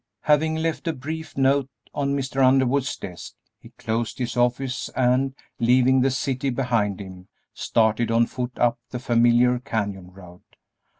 Having left a brief note on Mr. Underwood's desk he closed his office, and, leaving the city behind him, started on foot up the familiar canyon road.